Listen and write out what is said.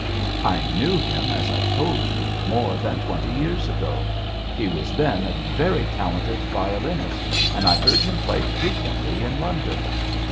'I knew him, as I told you, more than twenty years ago. He was then a very talented violinist, and I heard him play frequently in London.'